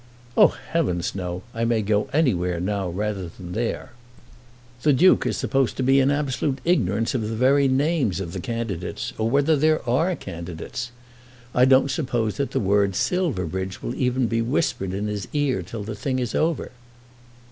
"Oh, heavens, no! I may go anywhere now rather than there. The Duke is supposed to be in absolute ignorance of the very names of the candidates, or whether there are candidates. I don't suppose that the word Silverbridge will be even whispered in his ear till the thing is over."